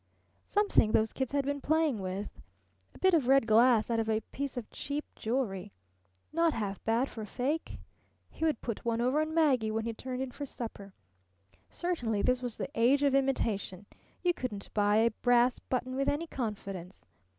Something those kids had been playing with. A bit of red glass out of a piece of cheap jewellery. Not half bad for a fake. He would put one over on Maggie when he turned in for supper. Certainly this was the age of imitation. You couldn't buy a brass button with any confidence.